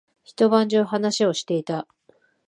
一晩中話をしていた。